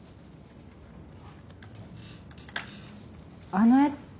あの絵って？